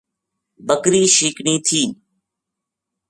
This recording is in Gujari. بکری شیکنی تھی